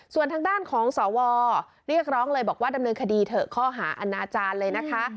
ส่วนทางด้านของสวเรียกร้องเลยบอกว่าดำเนินคดีเถอะข้อหาอาณาจารย์เลยนะคะ